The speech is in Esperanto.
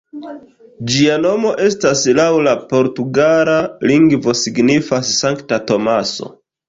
Ĝia nomo estas laŭ la portugala lingvo signifas "Sankta Tomaso".